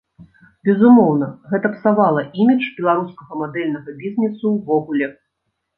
Безумоўна, гэта псавала імідж беларускага мадэльнага бізнесу ўвогуле.